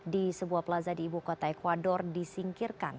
di sebuah plaza di ibu kota ecuador disingkirkan